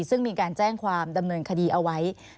ซึ่งมีการแจ้งความดำเนินคดีเอาไว้